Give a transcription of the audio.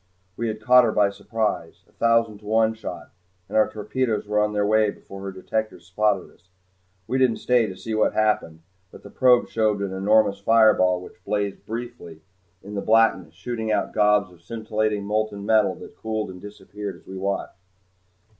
We had caught her by surprise, a thousand to one shot, and our torpedoes were on their way before her detectors spotted us. We didn't stay to see what happened, but the probe showed an enormous fireball which blazed briefly in the blackness, shooting out globs of scintillating molten metal that cooled and disappeared as we watched.